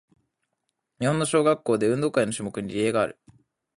日本の小学校で、運動会の種目にリレーがある。